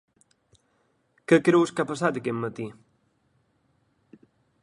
Què creus que ha passat aquest matí?